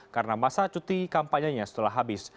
karena masa cuti kampanyenya setelah habis